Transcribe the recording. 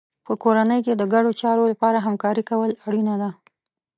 په کورنۍ کې د ګډو چارو لپاره همکاري کول اړینه ده.